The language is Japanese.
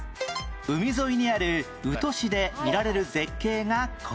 海沿いにある宇土市で見られる絶景がこちら